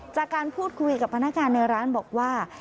จากการพูดคุยกับพนักงานในร้านบอกว่า